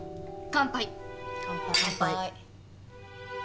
乾杯。